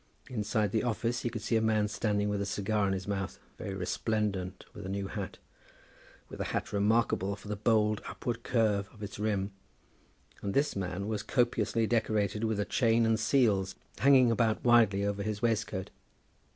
Inside the office he could see a man standing with a cigar in his mouth, very resplendent with a new hat, with a hat remarkable for the bold upward curve of its rim, and this man was copiously decorated with a chain and seals hanging about widely over his waistcoat.